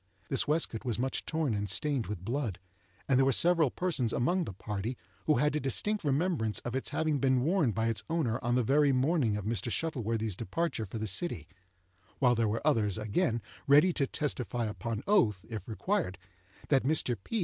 This waistcoat was much torn and stained with blood, and there were several persons among the party who had a distinct remembrance of its having been worn by its owner on the very morning of Mr. Shuttleworthy's departure for the city; while there were others, again, ready to testify upon oath, if required, that Mr. P.